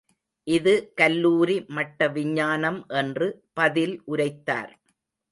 இது கல்லூரி மட்ட விஞ்ஞானம் என்று பதில் உரைத்தார்.